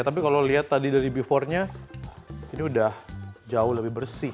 tapi kalau lihat tadi dari before nya ini udah jauh lebih bersih